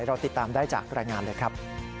เราติดตามได้จากรายงานเลยครับ